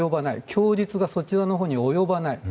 供述がそちらのほうに及ばない。